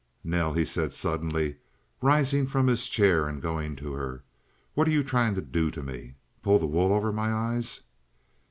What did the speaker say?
"Nell," he said suddenly, rising from his chair and going to her. "What are you trying to do to me? Pull the wool over my eyes?"